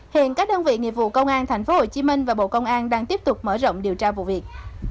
hiện các đơn vị nghiệp vụ công an tp hcm và bộ công an đang tiếp tục mở rộng điều tra vụ việc